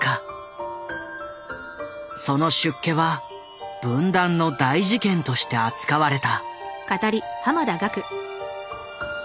その出家は文壇の大事件として扱われた。